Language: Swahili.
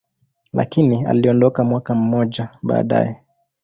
lakini aliondoka mwaka mmoja baadaye.